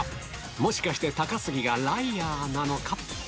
もしかして高杉がライアーなのか？